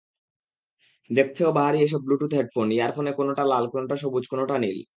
দেখতেও বাহারি এসব ব্লুটুথ হেডফোন, ইয়ারফোন কোনোটা লাল, কোনোটা সবুজ, কোনোটা নীল।